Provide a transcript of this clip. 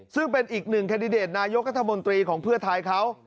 ซึ่งเป็นอีกหนึ่งแคนดิเดตนายกัธมนตรีของเพื่อไทยเขา